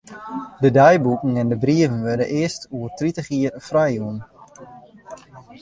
De deiboeken en de brieven wurde earst oer tritich jier frijjûn.